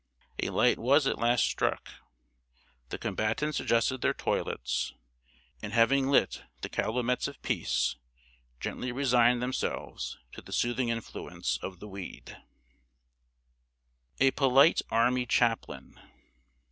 A light was at last struck; the combatants adjusted their toilets, and, having lit the calumets of peace, gently resigned themselves to the soothing influence of the weed. [Sidenote: A POLITE ARMY CHAPLAIN.